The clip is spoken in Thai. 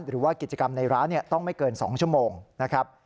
หรือว่ากิจกรรมในร้านต้องไม่เกิน๒ชั่วโมงนะครับ